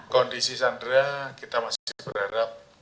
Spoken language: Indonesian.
kondisi sandra kita masih berharap